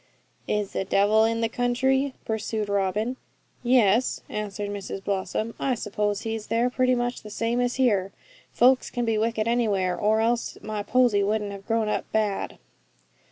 'Is the devil in the country?' pursued Robin. 'Yes,' answered Mrs Blossom, 'I suppose he's there pretty much the same as here. Folks can be wicked anywhere, or else my Posy wouldn't have grown up bad.'